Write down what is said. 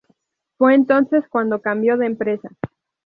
Fue entonces cuando cambió de empresa.